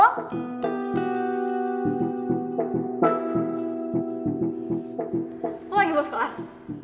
lo lagi bos kelas